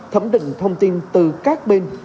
thẩm định thông tin từ các bên